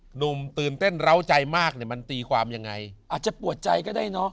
หนุ่มตื่นเต้นร้าวใจมากเนี่ยมันตีความยังไงอาจจะปวดใจก็ได้เนอะ